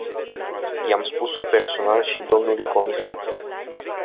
I-am spus-o personal și dlui comisar.